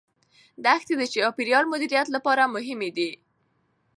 دښتې د چاپیریال مدیریت لپاره مهمې دي.